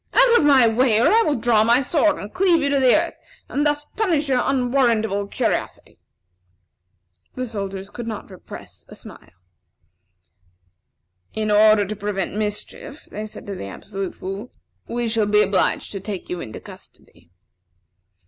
Out of my way, or I will draw my sword and cleave you to the earth, and thus punish your unwarrantable curiosity!" The soldiers could not repress a smile. "In order to prevent mischief," they said to the Absolute Fool, "we shall be obliged to take you into custody."